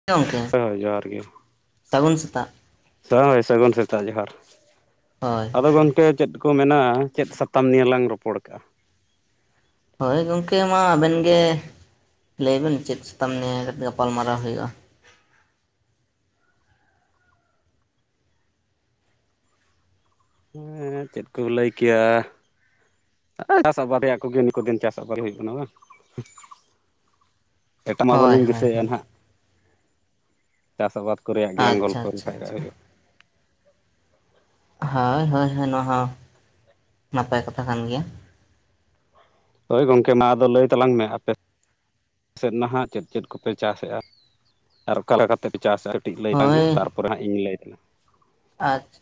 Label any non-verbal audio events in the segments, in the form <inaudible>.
ᱦᱮᱸ ᱜᱚᱢᱠᱮ ᱦᱳᱭ ᱦᱳᱭ ᱡᱚᱦᱟᱨ ᱥᱟᱹᱜᱩᱱ ᱥᱮᱛᱟᱜ‌ ᱾ ᱦᱳ ᱥᱟᱹᱜᱩᱱ ᱥᱮᱛᱟᱜ ᱡᱚᱦᱟᱨ, ᱦᱳᱭ ᱟᱫᱚ ᱜᱚᱢᱠᱮ ᱪᱮᱫ ᱠᱚ ᱢᱮᱱᱟ ᱼᱟ? ᱪᱮᱫ ᱥᱟᱛᱟᱢ ᱱᱤᱭᱟᱹ ᱞᱟᱝ ᱨᱚᱯᱚᱲ ᱠᱟᱜᱼᱟ? ᱦᱳᱭ ᱜᱚᱝᱠᱮ ᱢᱟ ᱟᱵᱮᱱ ᱜᱮ ᱞᱟᱹᱭᱵᱮᱱ ᱪᱮᱫ ᱥᱟᱛᱟᱢ ᱱᱤᱭᱮ ᱠᱟᱹᱴᱤᱡ ᱜᱟᱯᱟᱞᱢᱟᱨᱟᱣ ᱦᱩᱭᱩᱜᱼᱟ? ᱦᱮᱸ ᱪᱮᱫ ᱠᱚ ᱞᱟᱹᱭ ᱠᱮᱭᱟ? ᱪᱟᱥ ᱟᱵᱟᱫ ᱨᱮᱭᱟᱜ ᱠᱚᱜᱮ ᱱᱩ ᱫᱤᱱ ᱪᱟᱥ ᱟᱵᱟᱫ ᱦᱩᱭᱩᱜ ᱠᱟᱱᱟ ᱵᱟᱝ? ᱮᱴᱟᱜ ᱢᱟ ᱦᱳᱭ ᱵᱟᱹᱞᱤᱧ ᱦᱳᱭ ᱫᱤᱥᱟᱹᱭᱮᱫᱼᱟ ᱦᱳᱭ ᱱᱟᱦᱟᱜ‌, ᱪᱟᱥ ᱟᱵᱟᱫ ᱠᱚᱨᱮ ᱜᱮᱞᱟᱝ ᱟᱪᱪᱷᱟ ᱜᱚᱞᱯᱚ ᱟᱪᱪᱷᱟ ᱞᱮᱠᱷᱟ ᱫᱚᱟᱜ ᱟᱪᱪᱷᱟ ᱦᱩᱭᱩᱜᱼᱟ ᱾ ᱦᱳᱸᱭ ᱦᱳᱸᱭ ᱦᱳᱭ ᱱᱚᱶᱟ ᱦᱚᱸ ᱱᱟᱯᱟᱭ ᱠᱟᱛᱷᱟ ᱠᱟᱱ ᱜᱮᱭᱟ ᱾ ᱦᱳᱭ ᱜᱚᱢᱠᱮ ᱢᱟ ᱟᱫᱚ ᱞᱟᱹᱭ ᱛᱟᱞᱟᱝ ᱢᱮ ᱟᱯᱮ? ᱟᱯ ᱥᱮᱫ ᱱᱟᱦᱟᱜ ᱪᱮᱫ ᱪᱮᱫ ᱠᱚᱯᱮ ᱪᱟᱥᱮᱫᱼᱟ ᱟᱨ ᱚᱠᱟ ᱞᱮᱠᱟᱛᱮᱯᱮ ᱪᱟᱥᱮᱫᱼᱟ? ᱠᱟᱹᱴᱤᱡ ᱞᱟᱹᱭ ᱞᱟᱝ ᱢᱮ ᱦᱳᱭ ᱛᱟᱨᱯᱚᱨᱮ ᱦᱟᱸᱜ ᱤᱧ ᱞᱟᱹᱭᱮᱫᱟ ᱾ ᱟᱪᱷ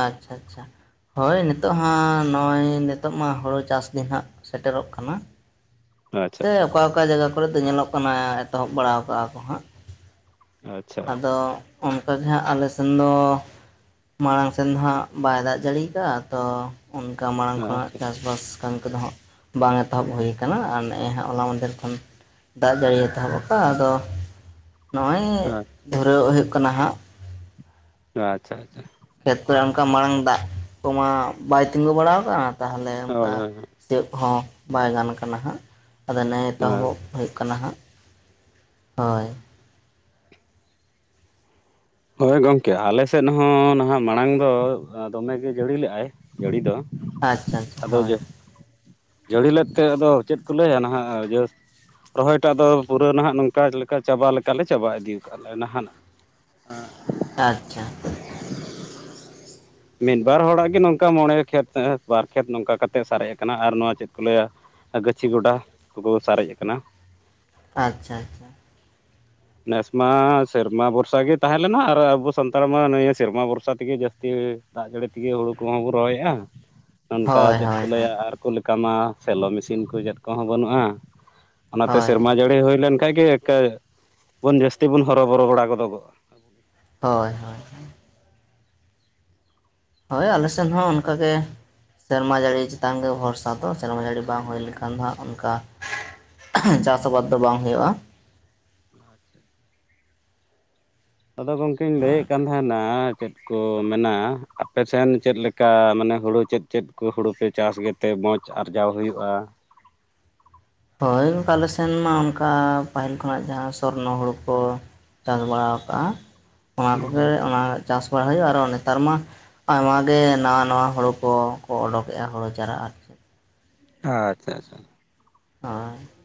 ᱟᱪᱷᱟ ᱟᱪᱷᱟ ᱾ ᱦᱳᱭ ᱱᱤᱛᱚᱜ ᱦᱜ ᱱᱚᱜᱼᱚᱭ ᱱᱤᱛᱚᱜ ᱢᱟ ᱦᱩᱲᱩ ᱪᱟᱥ ᱫᱤᱱ ᱦᱟᱸᱜ ᱥᱮᱴᱮᱨᱚᱜ ᱠᱟᱱᱟ ᱾ ᱟᱪᱪᱷᱟ ᱥᱮ ᱟᱪᱪᱷᱟ ᱚᱠᱟ ᱚᱠᱟ ᱡᱟᱭᱜᱟ ᱠᱚᱨᱮ ᱫᱚ ᱧᱮᱞᱚᱜ ᱠᱟᱱᱟ ᱮᱛᱚᱦᱚᱵ ᱵᱟᱲᱟᱟᱣ ᱠᱟᱜᱼᱟ ᱠᱚ ᱦᱟᱸᱜ, ᱟᱪᱪᱷᱟ ᱟᱪᱪᱷᱟ ᱟᱫᱚ ᱚᱱᱠᱟᱜᱮ ᱦᱟᱸᱜ ᱟᱞᱮ ᱥᱮᱱ ᱫᱚ, ᱢᱟᱲᱟᱝ ᱥᱮᱫ ᱫᱚ ᱦᱜ ᱵᱟᱭ ᱫᱟᱜ ᱡᱟᱹᱲᱤᱭᱟᱠᱟᱫᱟ ᱛᱚ ᱾ ᱚᱱᱠᱟ ᱢᱟᱲᱟᱝ ᱠᱷᱚᱱᱟᱜ ᱪᱟᱥᱵᱟᱥ ᱠᱟᱹᱢᱤ ᱠᱚᱫᱚ ᱦᱜ ᱵᱟᱝ ᱮᱛᱚᱦᱚᱵ ᱦᱩᱭᱩᱭ ᱟᱠᱟᱱᱟ ᱟᱨ ᱚᱱᱮ ᱼᱼ ᱱᱚᱜᱼ ᱦᱟᱸᱜ ᱦᱚᱞᱟ ᱢᱫᱮᱨ ᱠᱷᱚᱱ ᱫᱟᱜ ᱡᱟᱹᱲᱤᱭ ᱮᱛᱚᱦᱚᱵ ᱟᱠᱟᱫ ᱟᱫᱚ ᱱᱚᱜᱼᱚᱭ, ᱟᱪᱪᱷᱟ ᱫᱷᱚᱨᱟᱹᱣ ᱦᱩᱭᱩᱜ ᱠᱟᱱᱟ ᱦᱟᱸᱜ ᱾ ᱟᱪᱷᱟ ᱟᱪᱷᱟ ᱾ ᱠᱷᱮᱛ ᱠᱚᱨᱮ ᱚᱱᱠᱟ ᱢᱟᱲᱟᱝ ᱫᱟᱜ ᱠᱚᱢᱟ ᱵᱟᱭ ᱛᱤᱸᱜᱩ ᱵᱟᱲᱟ ᱠᱟᱜᱼᱟ ᱛᱟᱦᱚᱞᱮ ᱚᱱᱠᱟ, ᱦᱳᱭ ᱦᱳᱭ ᱦᱳᱭ ᱥᱤᱭᱚᱜ ᱠᱚᱦᱚᱸ ᱵᱟᱭ ᱜᱟᱱ ᱠᱟᱱᱟ ᱱᱟᱦᱟᱸᱜ ᱟᱫᱚ ᱱᱮ ᱟᱪᱪᱷᱟ ᱮᱛᱚᱦᱚᱵᱚᱜ ᱦᱩᱭᱩᱜ ᱠᱟᱱᱟ ᱦᱟᱸᱜ ᱦᱳᱭ ᱾ ᱦᱳᱭ ᱜᱚᱢᱠᱮ ᱟᱞᱮ ᱥᱮᱫ ᱦᱚᱸ ᱱᱟᱦᱟᱜ ᱢᱟᱲᱟᱝ ᱫᱚ ᱫᱚᱢᱮᱜᱮ ᱡᱟᱹᱲᱤᱞᱮᱜᱼᱟᱭ ᱾ ᱡᱟᱹᱲᱤ ᱫᱚ ᱟᱪᱪᱷᱟ ᱟᱪᱪᱷᱟ ᱟᱫᱚ ᱦᱳᱭ ᱡᱮ ᱡᱟᱹᱲᱤ ᱞᱮᱫ ᱛᱮ ᱟᱫᱚ ᱪᱮᱫ ᱠᱚ ᱞᱟᱹᱭᱟ ᱱᱟᱦᱟᱜ ᱡᱟᱹᱥ ᱨᱚᱦᱚᱭ ᱴᱟᱜ ᱫᱚ ᱯᱩᱨᱟᱹ ᱱᱟᱦᱟᱜ ᱱᱚᱝᱠᱟ ᱞᱮᱠᱟ ᱪᱟᱵᱟ ᱞᱮᱠᱟᱞᱮ ᱪᱟᱵᱟ ᱤᱫᱤ ᱟᱠᱟᱫ ᱞᱮᱭᱟ ᱱᱟᱦᱟᱜᱱᱟᱜ ᱾ ᱦᱮᱸ ᱟᱪᱪᱷᱟ ᱾ ᱢᱤᱫ ᱵᱟᱨ ᱦᱚᱲᱟᱜ ᱜᱮ ᱱᱚᱝᱠᱟ ᱢᱚᱬᱮ ᱠᱷᱮᱛ ᱵᱟᱨ ᱠᱷᱮᱛ ᱱᱚᱝᱠᱟ ᱠᱟ ᱠᱟᱛᱮᱫ ᱥᱟᱨᱮᱡ ᱟᱠᱟᱱᱟ ᱟᱨ ᱱᱚᱣᱟ ᱪᱮᱫ ᱠᱚ ᱞᱟᱹᱭᱟ? ᱜᱟᱹᱪᱷᱤ ᱜᱚᱰᱟ ᱠᱚᱠᱚ ᱥᱟᱨᱮᱡ ᱟᱠᱟᱱᱟ ᱾ ᱟᱪᱪᱷᱟ ᱟᱪᱷᱟ ᱾ ᱱᱮᱥᱢᱟ ᱥᱮᱨᱢᱟ ᱵᱷᱚᱨᱥᱟ ᱜᱮ ᱛᱟᱦᱮᱸ ᱞᱮᱱᱟ ᱟᱨ ᱟᱵᱚ ᱥᱟᱱᱛᱟᱲ ᱢᱟ ᱱᱤᱭᱟᱹ ᱥᱮᱨᱢᱟ ᱵᱷᱚᱨᱥᱟ ᱛᱮᱜᱮ ᱡᱟᱹᱥᱛᱤ ᱛᱤ ᱫᱟᱜ ᱡᱟᱹᱲᱤ ᱛᱮᱜᱮ ᱦᱩᱲᱩ ᱠᱚᱦᱚᱸ ᱵᱚ ᱨᱚᱦᱚᱭᱮᱜ-ᱟ᱾ <unintelligible> ᱱᱚᱱᱠᱟ ᱪᱮᱫ ᱦᱳᱭ ᱠᱚ ᱦᱳᱭ ᱞᱟᱹᱭᱟ ᱟᱨᱠᱚ ᱞᱮᱠᱟ ᱢᱟ ᱥᱮᱞᱚ ᱢᱮᱥᱤᱱ ᱠᱚ ᱪᱮᱫ ᱠᱚᱦᱚᱸ ᱵᱟᱹᱱᱩᱜ-ᱟ᱾ ᱚᱱᱟᱛᱮ ᱦᱳᱭ ᱥᱮᱨᱢᱟ ᱡᱟᱹᱲᱤ ᱦᱩᱭ ᱞᱮᱱᱠᱷᱟᱡ ᱜᱮ ᱮᱠᱮ ᱵᱚᱱ ᱡᱟᱹᱥᱛᱤ ᱵᱚᱱ ᱦᱚᱨᱚᱵᱚᱨᱚ ᱵᱟᱲᱟ ᱜᱚᱫᱚᱜᱚᱜ-ᱟ᱾ <unintelligible> ᱦᱳᱭ ᱦᱳᱭ᱾ ᱦᱳᱭ ᱟᱞᱮ ᱥᱮᱱ ᱦᱚᱸ ᱚᱱᱠᱟᱜᱮ᱾ ᱥᱮᱨᱢᱟ ᱡᱟᱹᱲᱤ ᱪᱮᱛᱟᱱ ᱜᱮ ᱵᱷᱚᱨᱥᱟ ᱫᱚ ᱥᱮᱨᱢᱟ ᱡᱟᱹᱲᱤ ᱵᱟᱝ ᱦᱩᱭ ᱞᱮᱠᱷᱟᱱ ᱫᱚ ᱦᱟᱸᱜ ᱚᱱᱠᱟ ᱪᱟᱥ ᱟᱵᱟᱫᱽ ᱫᱚ ᱵᱟᱝ ᱦᱩᱭᱩᱜ-ᱟ᱾ ᱟᱪᱪᱷᱟ ᱟᱫᱚ ᱜᱚᱝᱠᱮᱧ ᱞᱟᱹᱭᱮᱫ ᱠᱟᱱ ᱛᱟᱦᱮᱸᱱᱟ ᱪᱮᱫ ᱠᱚ ᱢᱮᱱᱟᱜ-ᱟ᱾ ᱟᱯᱮ ᱥᱮᱱ ᱪᱮᱫ ᱞᱮᱠᱟ ᱢᱟᱱᱮ ᱦᱩᱲᱩ ᱪᱮᱫ ᱪᱮᱫ ᱠᱚ ᱦᱩᱲᱩ ᱯᱮ ᱪᱟᱥ ᱜᱮ ᱛᱮ ᱢᱚᱸᱡᱽ ᱟᱨᱡᱟᱣ ᱦᱩᱭᱩᱜᱼᱟ᱾ ᱦᱳᱭ ᱚᱱᱠᱟ ᱟᱞᱮ ᱥᱮᱱ ᱢᱟ ᱚᱱᱠᱟ ᱯᱟᱹᱦᱤᱞ ᱠᱷᱚᱱᱟᱜ ᱡᱟᱦᱟᱸ ᱥᱚᱨᱱᱚ ᱦᱩᱲᱩ ᱠᱚ ᱪᱟᱥ ᱵᱟᱲᱟ ᱠᱟᱜᱼᱟ᱾ ᱚᱱᱟ ᱠᱚᱜᱮ ᱚᱱᱟ ᱪᱟᱥ ᱵᱟᱲᱟ ᱦᱩᱭᱩᱜᱼᱟ ᱟᱨ ᱱᱮᱛᱟᱨ ᱢᱟ ᱟᱭᱢᱟ ᱜᱮ ᱱᱟᱣᱟ ᱱᱟᱣᱟ ᱦᱩᱲᱩ ᱠᱚᱠᱚ ᱚᱰᱳᱚᱠᱮᱫ-ᱟ ᱦᱩᱲᱩ ᱪᱟᱨᱟ᱾ ᱪᱮᱫ ᱟᱪᱪᱷᱟ ᱪᱪᱪᱷᱟ <unintelligible>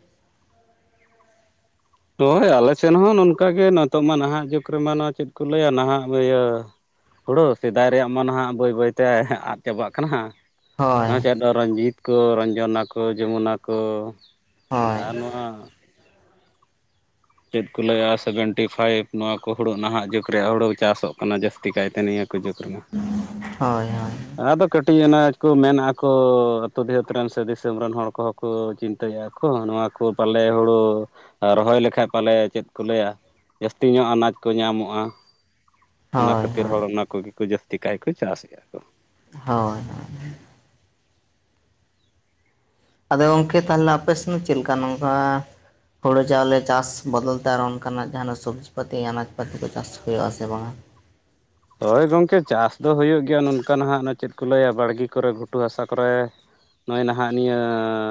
ᱦᱳᱭ ᱟᱞᱮ ᱥᱮᱱ ᱦᱚᱸ ᱱᱚᱝᱠᱟᱜᱮ ᱱᱤᱛᱚᱜ ᱢᱟ ᱱᱟᱦᱟᱜ ᱡᱩᱜᱽ ᱨᱮᱢᱟ ᱪᱮᱫ ᱠᱚ ᱞᱟᱹᱭᱟ ᱱᱟᱦᱟᱜ ᱤᱭᱟᱹ ᱦᱩᱲᱩ ᱥᱮᱫᱟᱭ ᱨᱮᱭᱟᱜ ᱢᱟ ᱱᱟᱦᱟᱜ ᱵᱟᱹᱭ ᱵᱟᱹᱭᱛᱮ ᱟᱫᱽ ᱪᱟᱵᱟᱜ ᱠᱟᱱᱟ᱾ ᱦᱳᱭ ᱱᱚᱣᱟ ᱪᱷᱟᱰᱟ ᱨᱚᱧᱡᱤᱛ ᱠᱚ, ᱨᱚᱧᱡᱚᱱᱟ ᱠᱚ, ᱡᱚᱢᱩᱱᱟ ᱠᱚ ᱦᱳᱭ ᱟᱨ ᱱᱚᱣᱟ ᱪᱮᱫ ᱠᱚ ᱞᱟᱹᱭ-ᱟ, ᱥᱮᱵᱷᱮᱱᱴᱤ ᱯᱷᱟᱭᱤᱵᱽ ᱱᱚᱣᱟ ᱠᱚ ᱦᱩᱲᱩ ᱱᱟᱦᱟᱜ ᱡᱩᱜᱽ ᱨᱮᱭᱟᱜ ᱦᱩᱲᱩ ᱪᱟᱥᱚᱜ ᱠᱟᱱᱟ ᱡᱟᱹᱥᱛᱤ ᱠᱟᱭᱛᱮ ᱱᱤᱭᱟᱹ ᱠᱚ ᱡᱩᱜᱽ ᱨᱮᱱᱟᱜ᱾ ᱦᱳᱭ ᱦᱳᱭ ᱟᱫᱚ ᱠᱟᱹᱴᱤᱡ ᱚᱱᱟ ᱠᱚ ᱢᱮᱱᱟ ᱠᱚ ᱟᱹᱛᱩ ᱫᱤᱦᱟᱹᱛ ᱨᱮᱱ ᱥᱮ ᱫᱤᱥᱚᱢ ᱨᱮᱱ ᱦᱚᱲ ᱠᱚᱦᱚᱸ ᱠᱚ ᱪᱤᱱᱛᱟᱹᱭᱮᱜ ᱟᱠᱚ ᱱᱚᱣᱟ ᱠᱚ ᱯᱟᱞᱮ ᱦᱩᱲᱩ ᱨᱚᱦᱚᱭ ᱞᱮᱠᱷᱟᱡ ᱯᱟᱞᱮ ᱪᱮᱫ ᱠᱚ ᱞᱟᱹᱭᱟ᱾ ᱡᱟᱹᱥᱛᱤ ᱧᱚᱜ ᱟᱱᱟᱡᱽ ᱠᱚ ᱧᱟᱢᱚᱜ-ᱟ᱾ ᱚᱱᱟ ᱦᱳᱭ ᱠᱷᱟᱹᱛᱤᱨ ᱦᱳᱭ ᱦᱚᱲ ᱚᱱᱟ ᱠᱚᱜᱮ ᱠᱚ ᱡᱟᱹᱥᱛᱤ ᱠᱟᱭ ᱠᱚ ᱪᱟᱥᱮᱜ-ᱟ ᱠᱚ᱾ ᱦᱳᱭ ᱟᱫᱚ ᱜᱚᱝᱠᱮ ᱛᱟᱦᱚᱞᱮ ᱟᱯᱮᱥᱮᱫ ᱫᱚ ᱪᱮᱫᱠᱟ? ᱱᱚᱝᱠᱟ ᱦᱩᱲᱩ ᱪᱟᱣᱞᱮ ᱪᱟᱥ ᱵᱚᱫᱚᱞ ᱛᱮ ᱟᱨᱚ ᱚᱱᱠᱟᱱᱟᱜ ᱡᱟᱦᱟᱸᱱᱟᱜ ᱥᱚᱵᱽᱡᱤ ᱯᱟᱹᱛᱤ ᱟᱱᱟᱡᱽ ᱯᱟᱹᱛᱤ ᱠᱚ ᱪᱟᱥ ᱦᱩᱭᱩᱜ ᱟᱥᱮ ᱵᱟᱝᱟ? ᱦᱳᱭ ᱜᱚᱢᱠᱮ ᱪᱟᱥ ᱫᱚ ᱦᱩᱭᱩᱜ ᱜᱮᱭᱟ᱾ ᱱᱚᱝᱠᱟ ᱦᱟᱸᱜ ᱚᱱᱟ ᱪᱮᱫ ᱠᱚ ᱞᱟᱹᱭᱟ ᱵᱟᱲᱜᱮ ᱠᱚᱨᱮ, ᱜᱷᱩᱴᱩ ᱦᱟᱥᱟ ᱠᱚᱨᱮ᱾ ᱱᱚᱜ-ᱚᱭ ᱱᱟᱦᱟᱜ ᱱᱤᱭᱟᱹ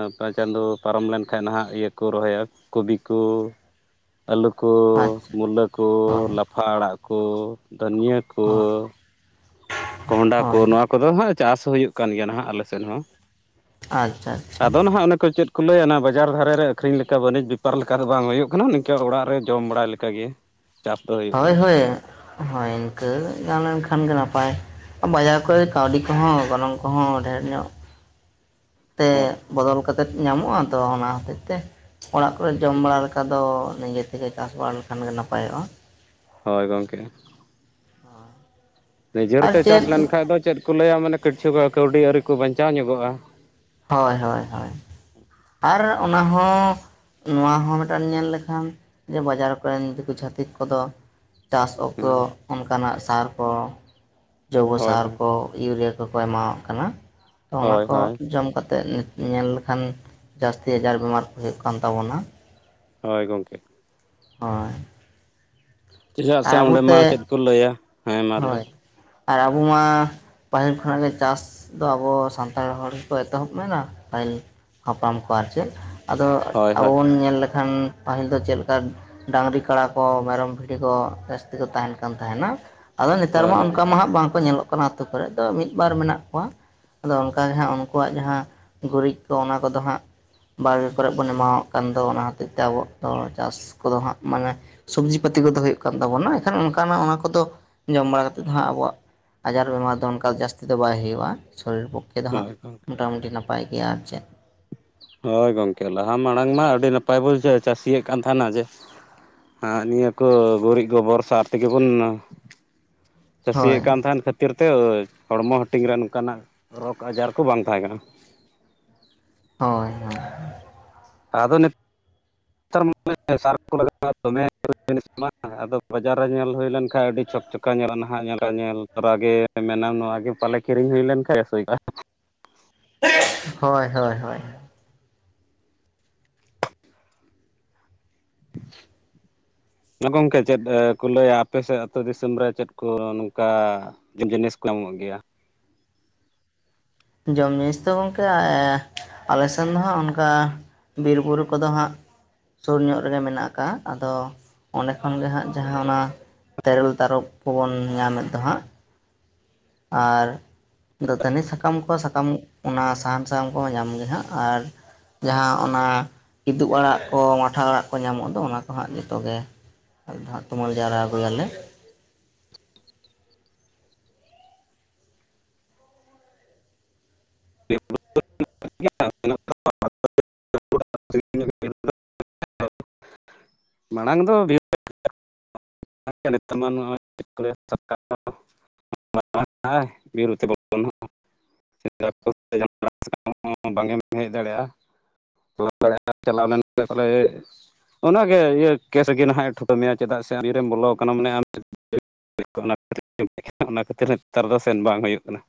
ᱚᱠᱟ ᱪᱟᱸᱫᱚ ᱯᱟᱨᱚᱢ ᱞᱮᱱᱠᱷᱟᱱ ᱱᱟᱦᱟᱜ ᱤᱭᱟᱹᱠᱚ ᱨᱚᱦᱚᱭᱟ᱾ ᱠᱚᱵᱤ ᱠᱚ, ᱟᱹᱞᱩ ᱠᱚ, ᱟᱪᱪᱷᱟ ᱢᱩᱞᱟᱹ ᱠᱚ, ᱦᱳᱭ ᱦᱳᱭ ᱞᱟᱯᱷᱟ ᱟᱲᱟᱜ ᱠᱚ, ᱫᱷᱟᱹᱱᱤᱭᱟᱹ ᱠᱚ, ᱠᱚᱦᱰᱟ ᱠᱚ ᱦᱳᱭ ᱱᱚᱣᱟ ᱠᱚᱫᱚ ᱦᱟᱸᱜ ᱪᱟᱥ ᱦᱩᱭᱩᱜ ᱠᱟᱱ ᱜᱮᱭᱟ ᱱᱟᱦᱟᱜ ᱟᱞᱮ ᱥᱮᱫ ᱦᱚᱸ᱾ ᱟᱪᱪᱷᱟ ᱟᱪᱪᱷᱟ ᱟᱫᱚ ᱱᱟᱦᱟᱜ ᱚᱱᱮ ᱠᱚ ᱪᱮᱫ ᱠᱚ ᱞᱟᱹᱭᱟ ᱱᱟᱜ ᱵᱟᱡᱟᱨ ᱫᱷᱟᱨᱮ ᱨᱮ ᱟᱹᱠᱷᱨᱤᱧ ᱞᱮᱠᱟ ᱵᱟᱹᱱᱤᱡᱽ ᱵᱮᱯᱟᱨ ᱞᱮᱠᱟ ᱫᱚ ᱵᱟᱝ ᱦᱩᱭᱩᱜ ᱠᱟᱱᱟ, ᱱᱤᱝᱠᱟᱹ ᱚᱲᱟᱜ ᱨᱮ ᱡᱚᱢ ᱵᱟᱲᱟᱭ ᱞᱮᱠᱟ ᱜᱮ᱾ ᱦᱳᱭ ᱦᱳᱭ ᱦᱳᱭ ᱤᱱᱠᱟᱹ ᱜᱟᱱ ᱞᱮᱱᱠᱷᱟᱱ ᱜᱮ ᱱᱟᱯᱟᱭ᱾ ᱵᱟᱡᱟᱨ ᱠᱚᱨᱮ ᱠᱟᱣᱰᱤ ᱠᱚᱦᱚᱸ ᱜᱚᱱᱚᱝ ᱠᱚᱦᱚᱸ ᱰᱷᱮᱨ ᱧᱚᱜ ᱛᱮ ᱦᱳᱭ ᱵᱚᱫᱚᱞ ᱠᱟᱛᱮᱫ ᱧᱟᱢᱚᱜ-ᱟ ᱛᱚ ᱚᱱᱟ ᱦᱚᱛᱮᱫ ᱛᱮ᱾ ᱚᱲᱟᱜ ᱠᱚᱨᱮ ᱡᱚᱢ ᱵᱟᱲᱟ ᱞᱮᱠᱟ ᱫᱚ ᱱᱤᱡᱮ ᱛᱮᱜᱮ ᱪᱟᱥ ᱵᱟᱲᱟ ᱞᱮᱠᱷᱟᱱ ᱜᱮ ᱱᱟᱯᱟᱭᱚᱜ-ᱟ᱾ ᱦᱳᱭ ᱜᱚᱝᱠᱮ, ᱱᱤᱡᱮᱨ ᱟᱨ ᱛᱮ ᱪᱮᱫ ᱪᱟᱥ ᱞᱮᱱᱠᱷᱟᱡ ᱫᱚ ᱪᱮᱫᱠᱚ ᱞᱟᱹᱭᱟ ᱢᱟᱱᱮ ᱠᱤᱪᱷᱩ ᱠᱟᱹᱣᱰᱤ ᱟᱹᱨᱤᱠᱚ ᱵᱟᱧᱪᱟᱣ ᱧᱚᱜᱚᱜ-ᱟ᱾ ᱦᱳᱭ ᱦᱳᱭ ᱦᱳᱭ ᱟᱨ ᱚᱱᱟ ᱦᱚᱸ ᱱᱚᱣᱟ ᱦᱚᱸ ᱢᱤᱫᱴᱟᱱ ᱧᱮᱞ ᱞᱮᱠᱷᱟᱱ ᱵᱟᱡᱟᱨ ᱠᱚᱨᱮᱱ ᱫᱤᱠᱩ ᱪᱷᱟᱹᱛᱤᱠ ᱠᱚᱫᱚ ᱪᱟᱥ ᱚᱠᱛᱚ ᱦᱮᱸ ᱚᱱᱠᱟᱱᱟᱜ ᱥᱟᱨ ᱠᱚ ᱡᱳᱣᱵᱚ ᱦᱳᱭ ᱥᱟᱨ ᱦᱳᱭ ᱠᱚ ᱤᱭᱩᱨᱤᱭᱟ ᱠᱚ ᱠᱚ ᱮᱢᱟᱣᱟᱜ ᱠᱟᱱᱟ᱾ ᱛᱚ ᱚᱱᱟ ᱦᱳᱭ ᱠᱚ ᱦᱳᱭ ᱡᱚᱢ ᱠᱟᱛᱮᱫ ᱧᱮᱞ ᱞᱮᱠᱷᱟᱱ ᱡᱟᱹᱥᱛᱤ ᱟᱡᱟᱨ ᱵᱤᱢᱟᱨ ᱠᱚ ᱦᱩᱭᱩᱜ ᱠᱟᱱ ᱛᱟᱵᱚᱱᱟ᱾ ᱦᱚᱭ ᱜᱚᱝᱠᱮ ᱾ <unintelligible> ᱪᱮᱫᱟᱜ ᱥᱮ ᱚᱸᱰᱮ ᱢᱟ ᱪᱮᱫ ᱠᱚ ᱞᱟᱹᱭᱟ? ᱦᱮᱸ ᱢᱟ ᱞᱟᱹᱭ ᱦᱚᱭ ᱟᱨ ᱟᱵᱚ ᱢᱟ? ᱯᱟᱹᱦᱤᱞ ᱠᱷᱚᱱᱟᱜ ᱜᱮ ᱪᱟᱥ ᱫᱚ ᱟᱵᱚ ᱥᱟᱱᱛᱟᱲ ᱦᱚᱲ ᱜᱮᱠᱚ ᱮᱛᱚᱦᱚᱵ ᱞᱮᱱᱟ ᱯᱟᱹᱦᱤᱞ, ᱦᱟᱯᱲᱟᱢ ᱠᱚ ᱟᱨ ᱪᱮᱫ ᱟᱫᱚ ᱦᱳᱭ ᱟᱵᱚ ᱦᱳᱭ ᱵᱚᱱ ᱧᱮᱞ ᱞᱮᱠᱷᱟᱱ, ᱯᱟᱹᱦᱤᱞ ᱫᱚ ᱪᱮᱫ ᱞᱮᱠᱟ ᱰᱟᱝᱨᱤ ᱠᱟᱲᱟ ᱠᱚ ᱢᱮᱨᱚᱢ ᱵᱷᱤᱰᱤ ᱠᱚ ᱡᱟᱹᱥᱛᱤ ᱠᱚ ᱛᱟᱦᱮᱱ ᱠᱟᱱ ᱛᱟᱦᱮᱱᱟ ᱾ ᱟᱫᱚ ᱱᱮᱛᱟᱨ ᱦᱳᱭ ᱢᱟ ᱦᱳᱭ ᱚᱱᱠᱟ ᱢᱟ ᱦᱟᱸᱜ ᱵᱟᱝᱠᱚ ᱧᱮᱞᱚᱜ ᱠᱟᱱᱟ ᱟᱹᱛᱳ ᱠᱚᱨᱮᱜ ᱫᱚ ᱢᱤᱫ ᱵᱟᱨ ᱢᱮᱱᱟᱜ ᱠᱚᱣᱟ᱾ ᱟᱫᱚ ᱚᱱᱠᱟᱜᱮ ᱦᱟᱸᱜ ᱩᱱᱠᱩᱣᱟᱜ ᱡᱟᱦᱟᱸ ᱜᱩᱨᱤᱡ ᱠᱚ ᱚᱱᱟ ᱠᱚᱫᱚ ᱦᱟᱸᱜ, ᱵᱟᱲᱜᱮ ᱠᱚᱨᱮᱫ ᱵᱚᱱ ᱮᱢᱟᱣᱟᱜ ᱠᱟᱱ ᱫᱚ ᱚᱱᱟ ᱦᱚᱛᱮᱜ ᱛᱮ ᱟᱵᱚᱣᱟᱜ ᱫᱚ ᱪᱟᱥ ᱠᱚᱫᱚ ᱦᱟᱸᱜ ᱢᱟᱱᱮ ᱥᱚᱵᱽᱡᱤ ᱯᱟᱹᱛᱤ ᱠᱚᱫᱚ ᱦᱩᱭᱩᱜ ᱠᱟᱱ ᱛᱟᱵᱚᱱᱟ ᱮᱠᱷᱟᱱ ᱚᱱᱠᱟᱱᱟᱜ ᱚᱱᱟ ᱠᱚᱫᱚ, ᱡᱚᱢ ᱵᱟᱲᱟ ᱠᱟᱛᱮᱜ ᱫᱚ ᱦᱟᱸᱜ ᱟᱵᱚᱣᱟᱜ ᱟᱡᱟᱨ ᱵᱮᱢᱟᱨ ᱫᱚ ᱚᱱᱠᱟ ᱡᱟᱹᱥᱛᱤ ᱫᱚ ᱵᱟᱭ ᱦᱩᱭᱩᱜᱼᱟ, ᱥᱚᱨᱤᱨ ᱯᱚᱠᱠᱷᱚ, <unintelligible> ᱫᱚ ᱦᱟᱸᱜ ᱦᱳᱭ ᱜᱚᱢᱠᱮ ᱢᱚᱴᱟᱢᱩᱴᱤ ᱱᱟᱯᱟᱭ ᱜᱮᱭᱟ ᱟᱨ ᱪᱮᱫ? ᱦᱚᱭ ᱜᱚᱝᱠᱮ ᱞᱟᱦᱟ ᱢᱟᱲᱟᱝ ᱢᱟ ᱟᱹᱰᱤ ᱱᱟᱯᱟᱭ <inaudible> ᱪᱟᱹᱥᱤᱭᱮᱜ ᱠᱟᱱ ᱛᱟᱦᱮᱱᱟ ᱡᱮ, ᱦᱟᱸ ᱱᱤᱭᱟᱹ ᱠᱚ ᱜᱩᱨᱤᱡ ᱜᱚᱵᱚᱨ ᱥᱟᱨ ᱛᱮᱜᱮ ᱵᱚᱱ? ᱪᱟᱹᱥᱤᱭᱮᱜ ᱦᱳᱭ ᱠᱟᱱ ᱛᱟᱦᱮᱱ ᱠᱷᱟᱹᱛᱤᱨ ᱛᱮ ᱦᱚᱲᱢᱚ ᱦᱟᱹᱴᱤᱧ ᱨᱮ ᱱᱚᱝᱠᱟᱱᱟᱜ ᱨᱳᱜᱽ ᱟᱡᱟᱨ ᱠᱚ ᱵᱟᱝ ᱛᱟᱦᱮᱸ ᱠᱟᱱᱟ ᱾ ᱦᱚᱭ ᱟᱫᱚ ᱱᱮᱛᱟᱨ ᱥᱟᱨ ᱞᱟᱜ <inaudible> ᱫᱚᱢᱮ <inaudible> ᱟᱫᱚ ᱵᱟᱡᱟᱨ ᱨᱮ ᱧᱮᱞ ᱦᱩᱭ ᱞᱮᱱᱠᱷᱟᱱ ᱟᱹᱰᱤ ᱪᱷᱚᱠ ᱪᱚᱠᱟ ᱧᱮᱞᱟ ᱱᱟᱦᱟᱜ ᱧᱮᱞ ᱧᱮᱞ ᱛᱚᱨᱟ ᱜᱮ ᱾ ᱢᱮᱱᱟᱢ ᱱᱚᱣᱟ ᱜᱮ ᱯᱟᱞᱮ ᱠᱤᱨᱤᱧ ᱦᱩᱭ ᱞᱮᱱᱠᱷᱟᱱ ᱵᱮᱥ ᱦᱩᱭᱩᱜᱼᱟ᱾ ᱦᱚᱭ, ᱦᱚᱭ, ᱦᱚᱭ ᱜᱚᱝᱠᱮ ᱪᱮᱫ ᱠᱚ ᱞᱟᱹᱭᱟ ᱟᱯᱮᱥᱮᱫ ᱟᱹᱛᱩ ᱫᱤᱥᱚᱢ ᱨᱮ ᱪᱮᱫ ᱠᱚ ᱱᱚᱝᱠᱟ? <unintelligible> <inaudible> ᱡᱤᱱᱤᱥ ᱠᱚ ᱮᱢᱚᱜ ᱜᱮᱭᱟ? ᱡᱚᱢ ᱡᱤᱱᱤᱥ ᱫᱚ ᱜᱚᱝᱠᱮ ᱟᱞᱮ ᱥᱮᱱ ᱫᱚ ᱦᱟᱸᱜ ᱚᱱᱠᱟ, ᱵᱤᱨ ᱵᱩᱨᱩ ᱠᱚᱫᱚ ᱦᱟᱸᱜ ᱥᱩᱨ ᱧᱚᱜ ᱨᱮᱜᱮ ᱢᱮᱱᱟᱜ ᱟᱠᱟᱜ-ᱟ, ᱟᱫᱚ ᱚᱸᱰᱮ ᱠᱷᱚᱱ ᱜᱮ ᱦᱟᱸᱜ ᱡᱟᱦᱟᱸ ᱚᱱᱟ? ᱛᱮᱨᱮᱞ ᱛᱟᱨᱚᱵ ᱠᱚᱵᱚᱱ ᱧᱟᱢᱮᱫ ᱫᱚ ᱦᱟᱸᱜ, ᱟᱨ ᱫᱟᱹᱛᱟᱹᱱᱤ ᱥᱟᱠᱟᱢ ᱠᱚ ᱥᱟᱠᱟᱢ ᱚᱱᱟ ᱥᱟᱦᱟᱱ ᱥᱟᱠᱟᱢ ᱠᱚᱦᱚᱸ ᱧᱟᱢ ᱜᱮ ᱦᱟᱸᱜ ᱟᱨ ᱡᱟᱦᱟᱸ ᱚᱱᱟ ᱠᱤᱫᱩ ᱟᱲᱟᱜ ᱠᱚ ᱢᱟᱴᱷᱟ ᱟᱲᱟᱜ ᱠᱚ ᱧᱟᱢᱚᱜ ᱫᱚ ᱚᱱᱟ ᱠᱚ ᱦᱟᱸᱜ ᱡᱚᱛᱚ ᱜᱮ᱾ <inaudible> ᱛᱩᱢᱟ. ᱞ ᱡᱟᱣᱨᱟ ᱟᱜᱩᱭᱟᱞᱮ᱾ <inaudible> <unintelligible> ᱢᱟᱲᱟᱝ ᱫᱚ <unintelligible> <unintelligible> ᱱᱤᱛᱚᱜ ᱢᱟ ᱱᱚᱜᱼᱚᱭ <unintelligible> ᱦᱚᱸ, <unintelligible> <unintelligible> <unintelligible> <unintelligible> ᱫᱟᱲᱮᱭᱟᱜᱼᱟ ᱾ <unintelligible> <unintelligible> <unintelligible> <unintelligible> ᱚᱱᱟ ᱜᱮ ᱤᱭᱟᱹ ᱠᱮᱥ ᱜᱮ ᱦᱟᱸᱜ ᱮ ᱴᱷᱩᱠᱟᱹᱣ ᱢᱮᱭᱟ ᱪᱮᱫᱟᱜ ᱥᱮ ᱵᱤᱨᱮᱢ ᱵᱚᱞᱚ ᱟᱠᱟᱱᱟ ᱢᱟᱱᱮ ᱟᱢ <unintelligible> <unintelligible> ᱚᱱᱟ ᱚᱱᱟ ᱠᱷᱟᱹᱛᱤᱨ ᱱᱮᱛᱟᱨ ᱫᱚ ᱥᱮᱱ ᱵᱟᱝ ᱦᱳᱭᱳᱜ ᱠᱟᱱᱟ᱾